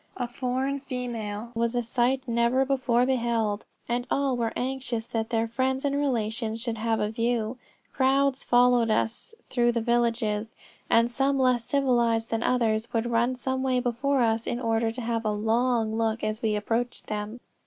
A foreign female was a sight never before beheld, and all were anxious that their friends and relations should have a view. Crowds followed us through the villages, and some less civilized than the others, would run some way before us, in order to have a long look as we approached them."